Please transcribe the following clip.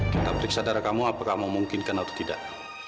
kita periksa darah kamu apakah memungkinkan atau tidak